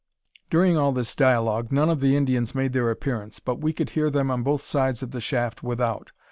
During all this dialogue none of the Indians made their appearance, but we could hear them on both sides of the shaft without.